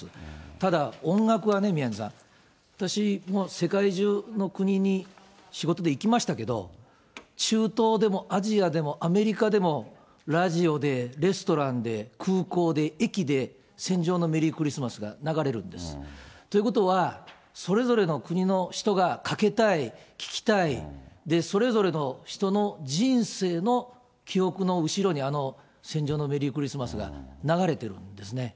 ただ、音楽はね、宮根さん、私も世界中の国に仕事で行きましたけど、中東でもアジアでも、アメリカでも、ラジオでレストランで、空港で、駅で、戦場のメリークリスマスが流れるんです。ということは、それぞれの国の人がかけたい、聴きたい、それぞれの人の人生の記憶の後ろに、あの戦場のメリークリスマスが流れてるんですね。